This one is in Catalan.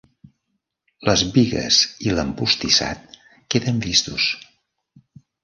Les bigues i l'empostissat queden vistos.